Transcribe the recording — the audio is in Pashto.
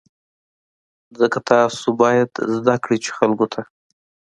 ځکه تاسو باید زده کړئ چې خلکو ته.